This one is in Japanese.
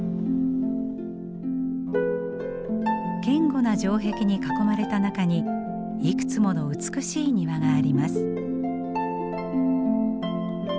堅固な城壁に囲まれた中にいくつもの美しい庭があります。